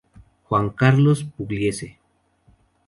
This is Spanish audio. Juan Carlos Pugliese